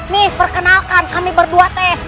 nih perkenalkan kami berdua teh